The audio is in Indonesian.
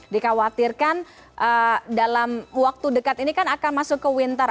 dikhawatirkan dalam waktu dekat ini kan akan masuk ke winter